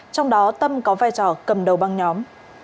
trong đó tâm có vai trò cầm đầu băng nhóm